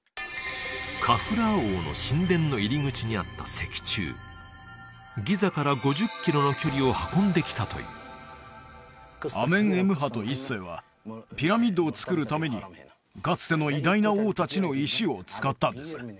カフラー王の神殿の入り口にあった石柱ギザから５０キロの距離を運んできたというアメンエムハト１世はピラミッドを造るためにかつての偉大な王達の石を使ったんです